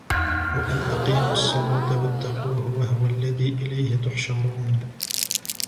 وأن أقيموا الصلاة واتقوه وهو الذي إليه تحشرون